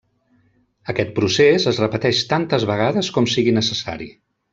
Aquest procés es repeteix tantes vegades com sigui necessari.